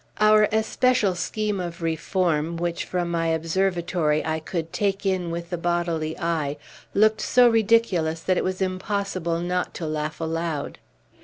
Our especial scheme of reform, which, from my observatory, I could take in with the bodily eye, looked so ridiculous that it was impossible not to laugh aloud.